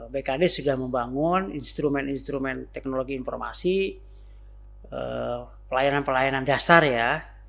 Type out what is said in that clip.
bkd sudah membangun instrumen instrumen teknologi informasi pelayanan pelayanan dasar ya